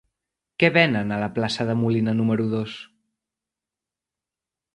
Què venen a la plaça de Molina número dos?